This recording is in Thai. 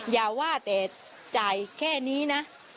อย่าว่าแต่จ่ายแค่นี้นะ